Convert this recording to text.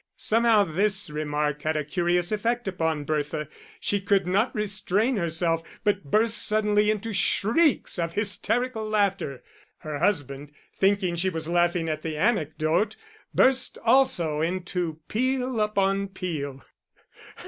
Somehow this remark had a curious effect upon Bertha; she could not restrain herself, but burst suddenly into shrieks of hysterical laughter. Her husband, thinking she was laughing at the anecdote, burst also into peal upon peal.